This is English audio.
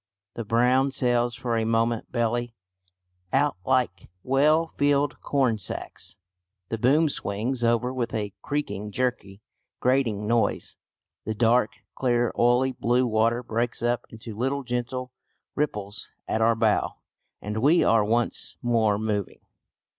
The brown sails for a moment belly out like well filled corn sacks. The boom swings over with a creaking, jerky, grating noise. The dark, clear, oily blue water breaks up into little gentle ripples at our bow, and we are once more moving.